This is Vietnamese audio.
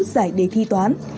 giải đề thi toán